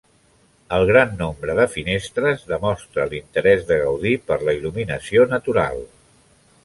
El gran nombre de finestres demostra l'interès de Gaudí per la il·luminació natural.